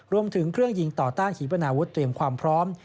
รวมถึงเครื่องยิงต่อต้านหีบนาวุธเตรียมความพร้อม